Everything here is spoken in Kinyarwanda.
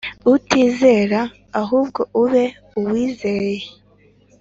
utizera ahubwo ube uwizeye